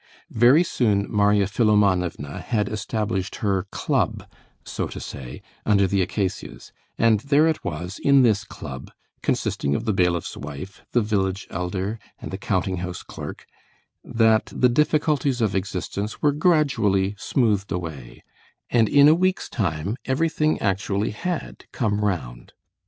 Very soon Marya Philimonovna had established her club, so to say, under the acacias, and there it was, in this club, consisting of the bailiff's wife, the village elder, and the counting house clerk, that the difficulties of existence were gradually smoothed away, and in a week's time everything actually had come round.